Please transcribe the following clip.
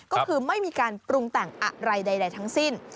ก็คือไม่มีการปรุงแต่งอะไรใดทั้งสิ้น